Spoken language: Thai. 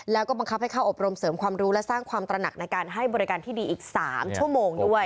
แล้วก็บังคับให้เข้าอบรมเสริมความรู้และสร้างความตระหนักในการให้บริการที่ดีอีก๓ชั่วโมงด้วย